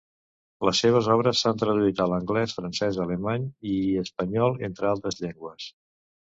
Les seves obres s'han traduït a l'anglès, francès, alemany i espanyol entre altres llengües.